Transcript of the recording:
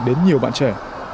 đến nhiều bạn trẻ